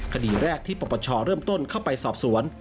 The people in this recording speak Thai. คดีแรกที่ปปชเริ่มต้นเข้าไปสอบสวน